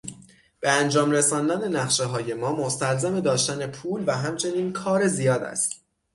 به انجام رساندن نقشههای ما مستلزم داشتن پول و همچنین کار زیاد است.